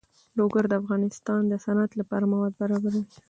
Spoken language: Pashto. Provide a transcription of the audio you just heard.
لوگر د افغانستان د صنعت لپاره مواد برابروي.